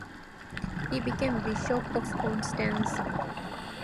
He became Bishop of Konstanz.